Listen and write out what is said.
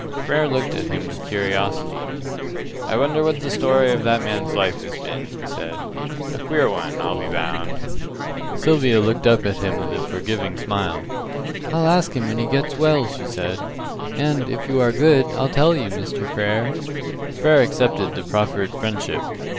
Frere looked at him with curiosity. "I wonder what the story of that man's life has been," he said. "A queer one, I'll be bound." Sylvia looked up at him with a forgiving smile. "I'll ask him when he gets well," she said, "and if you are good, I'll tell you, Mr. Frere." Frere accepted the proffered friendship.